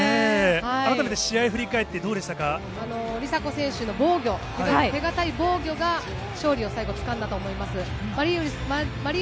改めて試合振り返ってどうで梨紗子選手の防御、手堅い防御が、勝利を最後、つかんだと思います。